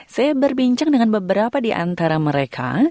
saya berbincang dengan beberapa di antara mereka